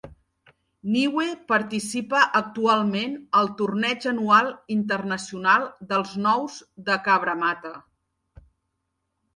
Niue participa actualment al torneig anual internacional dels Nous de Cabramatta.